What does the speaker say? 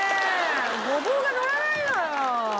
ゴボウがのらないのよ！